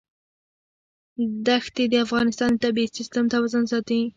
دښتې د افغانستان د طبعي سیسټم توازن ساتي.